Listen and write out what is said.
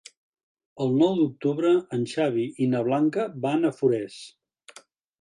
El nou d'octubre en Xavi i na Blanca van a Forès.